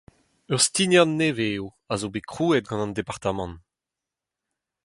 Ur stignad nevez eo a zo bet krouet gant an Departamant.